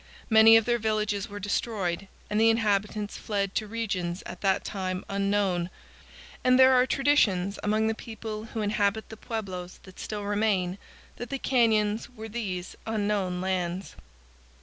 Many of their villages were destroyed, and the inhabitants fled to regions at that time unknown; and there are traditions among the people who inhabit the pueblos that still remain that the canyons were these unknown lauds.